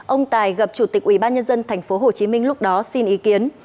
ông tài gặp chủ tịch ubnd tp hcm lúc đó xin ý kiến